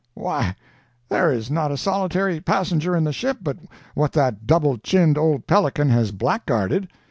Why there is not a solitary passenger in the ship but what that double chinned old pelican has blackguarded.